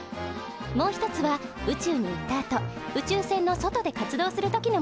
もう一つは宇宙に行ったあと宇宙船の外で活動する時のものです。